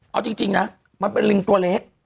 เอาจริงนะมันเป็นลิงตัวเล็ก